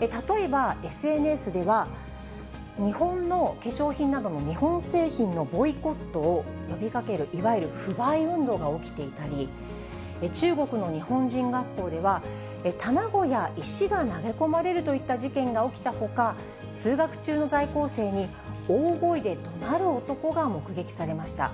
例えば、ＳＮＳでは、日本の化粧品などの日本製品のボイコットを呼びかける、いわゆる不買運動が起きていたり、中国の日本人学校では、卵や石が投げ込まれるといった事件が起きたほか、通学中の在校生に大声でどなる男が目撃されました。